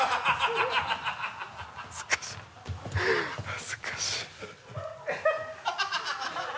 恥ずかしい。